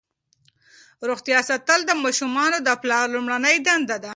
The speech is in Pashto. روغتیا ساتل د ماشومانو د پلار لومړنۍ دنده ده.